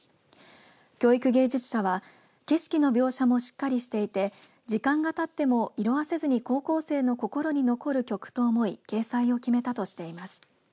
教育芸術社は景色の描写もしっかりしていて時間がたっても色あせずに高校生の心に残る曲と思い掲載を決めたとしています。